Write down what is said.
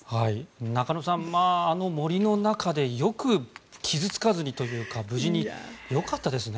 中野さん、あの森の中でよく傷付かずにというか無事によかったですね。